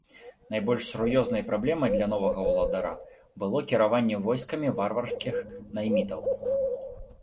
Найбольш сур'ёзнай праблемай для новага ўладара было кіраванне войскамі варварскіх наймітаў.